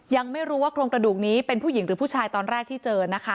ยังไม่รู้ว่าโครงกระดูกนี้เป็นผู้หญิงหรือผู้ชายตอนแรกที่เจอนะคะ